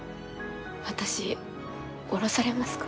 私降ろされますか？